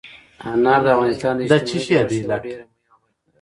انار د افغانستان د اجتماعي جوړښت یوه ډېره مهمه برخه ده.